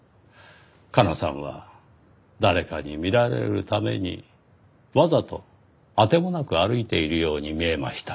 加奈さんは誰かに見られるためにわざと当てもなく歩いているように見えました。